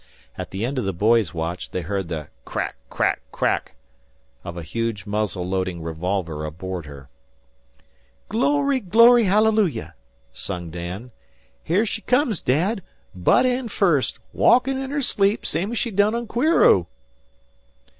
At the end of the boys' watch they heard the crack crack crack of a huge muzzle loading revolver aboard her. "Glory, glory, hallelujah!" sung Dan. "Here she comes, Dad; butt end first, walkin' in her sleep same's she done on 'Queereau."